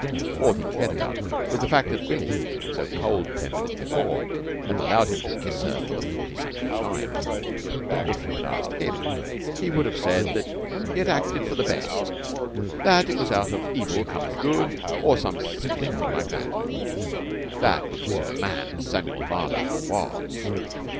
All he cared about was the fact that Billie, so cold ten minutes before, had allowed him to kiss her for the forty second time. If you had asked him, he would have said that he had acted for the best, and that out of evil cometh good, or some sickening thing like that. That was the sort of man Samuel Marlowe was.